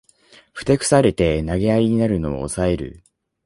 ふてくされて投げやりになるのをおさえる